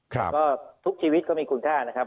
ก็ทุกชีวิตก็มีคุณค่านะครับ